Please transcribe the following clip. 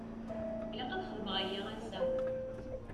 Ilaq ad xedmeɣ aya ass-a.